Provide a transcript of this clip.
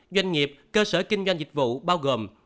doanh nghiệp cơ sở kinh doanh dịch vụ bao gồm